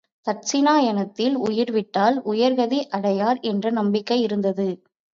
தட்சிணாயனத்தில் உயிர்விட்டால் உயர் கதி அடையார் என்ற நம்பிக்கை இருந்தது.